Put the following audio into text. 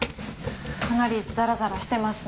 かなりザラザラしてますね。